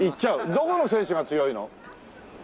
どこの選手が強いの？